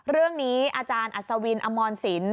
เรื่องนี้อาจารย์อัศวินอมรสิน